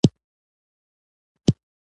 • د غاښونو درد د ژوند کړاو دی.